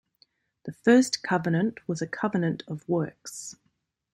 The first covenant was a Covenant of Works.